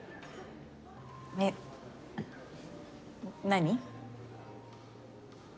えっ何？